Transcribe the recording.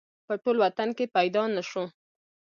په ټول وطن کې پیدا نه شو